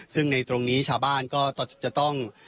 ซึ่งในตรงนี้ชาวบ้านก็จะต้อง